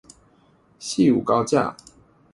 汐五高架